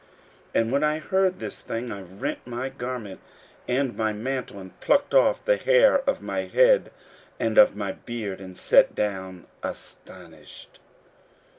15:009:003 And when I heard this thing, I rent my garment and my mantle, and plucked off the hair of my head and of my beard, and sat down astonied.